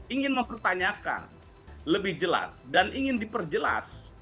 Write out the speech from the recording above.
ingin mempertanyakan lebih jelas dan ingin diperjelas